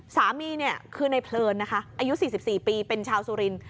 สามีเนี่ยคือในเพลินนะคะอายุ๔๔ปีเป็นชาวสุรินทร์